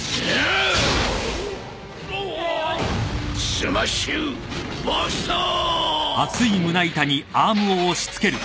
スマッシュバスター！